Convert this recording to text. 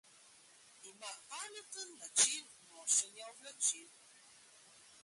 Ima pameten način nošenja oblačil.